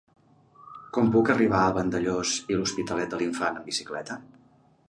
Com puc arribar a Vandellòs i l'Hospitalet de l'Infant amb bicicleta?